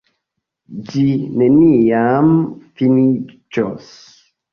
Ĝi neniam finiĝos!